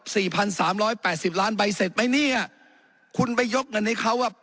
สี่พันสามร้อยแปดสิบล้านใบเสร็จไหมเนี่ยคุณไปยกเงินให้เขาว่า